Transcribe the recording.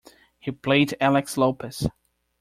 He played Alex Lopez.